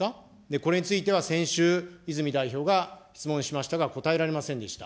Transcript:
これについては、先週、泉代表が質問しましたが、答えられませんでした。